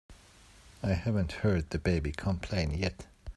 I haven't heard the baby complain yet.